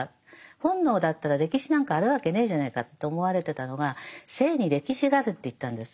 本能だったら歴史なんかあるわけねえじゃねえかと思われてたのが性に歴史があるって言ったんです。